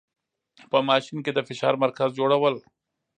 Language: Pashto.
په ماشین کې د فشار مرکز جوړول و.